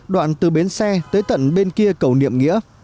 đoạn từ bến xe tới tận bên kia cầu niệm nghĩa